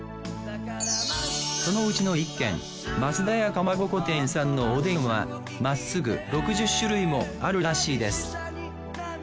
そのうちの一軒増田屋蒲鉾店さんのおでんはまっすぐ６０種類もあるらしいです。